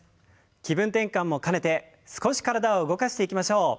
気分転換も兼ねて少し体を動かしていきましょう。